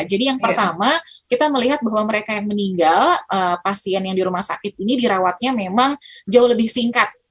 jadi yang pertama kita melihat bahwa mereka yang meninggal pasien yang di rumah sakit ini dirawatnya memang jauh lebih singkat